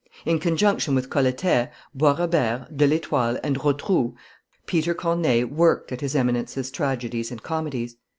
In conjunction with Colletet, Bois Robert, De l'Etoile, and Rotrou, Peter Corneille worked at his Eminence's tragedies and comedies.